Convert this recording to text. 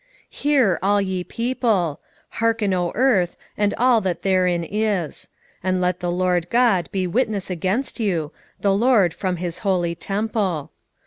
1:2 Hear, all ye people; hearken, O earth, and all that therein is: and let the Lord GOD be witness against you, the LORD from his holy temple.